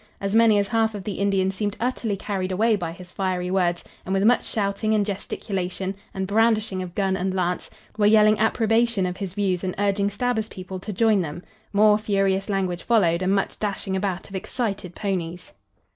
As many as half of the Indians seemed utterly carried away by his fiery words, and with much shouting and gesticulation and brandishing of gun and lance, were yelling approbation of his views and urging Stabber's people to join them. More furious language followed and much dashing about of excited ponies.